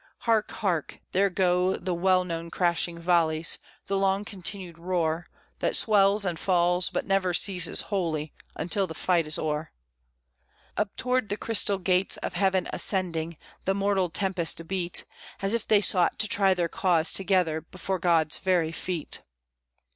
Hark, hark! there go the well known crashing volleys, the long continued roar That swells and falls, but never ceases wholly until the fight is o'er. Up towards the crystal gates of heaven ascending, the mortal tempest beat, As if they sought to try their cause together before God's very feet.